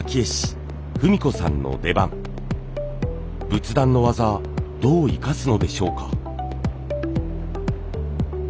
仏壇の技どう生かすのでしょうか。